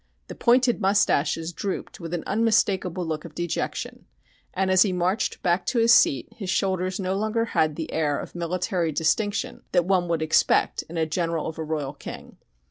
The pointed mustaches drooped with an unmistakable look of dejection, and as he marched back to his seat his shoulders no longer had the air of military distinction that one would expect in a general of a "Royal King."